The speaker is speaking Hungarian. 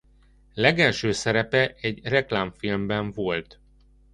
Legelső szerepe egy reklámfilmben volt.